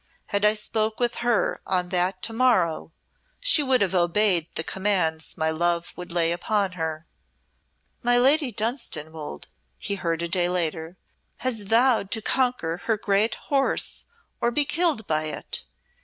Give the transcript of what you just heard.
Had I spoke with her on that to morrow, she would have obeyed the commands my love would lay upon her." "My Lady Dunstanwolde," he heard a day later, "has vowed to conquer her great horse or be killed by it.